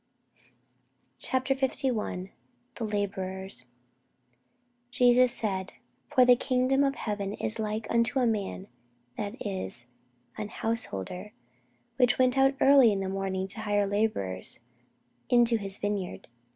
CHAPTER 51 THE LABOURERS JESUS said, For the kingdom of heaven is like unto a man that is an householder, which went out early in the morning to hire labourers into his vineyard.